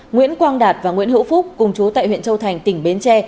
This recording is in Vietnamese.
nguyễn quang đạt và nguyễn hữu phúc cùng chú tại huyện châu thành tỉnh bến tre